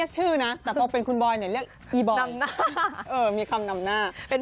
ชอบกล้วยสีดำเหรอ